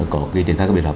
có ghi đến các biện pháp